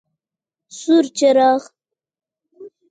سور څراغ: